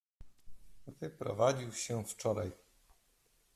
"Wyprowadził się wczoraj."